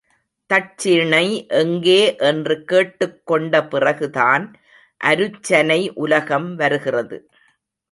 தட்சிணை எங்கே என்று கேட்டுக்கொண்ட பிறகுதான் அருச்சனை உலகம் வருகிறது.